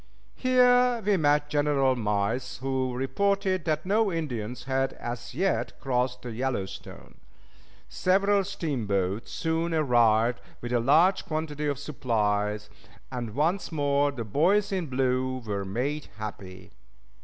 Here we met General Miles, who reported that no Indians had as yet crossed the Yellowstone. Several steamboats soon arrived with a large quantity of supplies, and once more the "Boys in Blue" were made happy.